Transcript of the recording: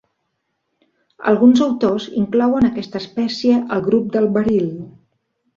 Alguns autors inclouen aquesta espècie al grup del beril.